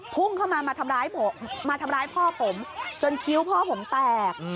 พุ่งเข้ามามาทำร้ายพ่อผมจนคิ้วพ่อผมแตก